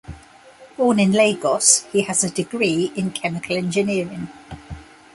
Born in Lagos, he has a degree in chemical engineering.